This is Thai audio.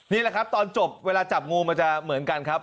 นี่แหละครับตอนจบเวลาจับงูมันจะเหมือนกันครับ